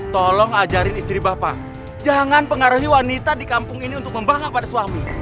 tolong ajarin istri bapak jangan pengaruhi wanita di kampung ini untuk membangga pada suami